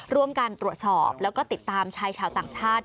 ร่วมกันตรวจสอบแล้วก็ติดตามชายชาวต่างชาติ